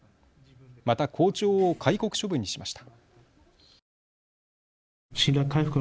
また校長を戒告処分にしました。